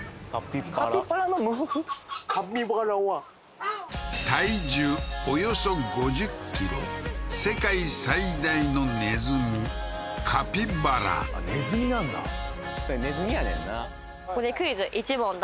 カピバラは体重およそ５０ｋｇ世界最大のネズミカピバラネズミなんだネズミやねんな